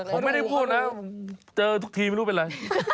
ผมไม่ได้พูดนะเจอทุกทีไม่รู้เป็นอะไร